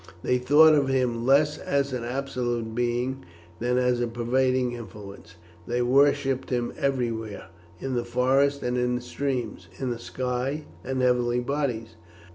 They thought of him less as an absolute being than as a pervading influence. They worshipped him everywhere, in the forests and in the streams, in the sky and heavenly bodies.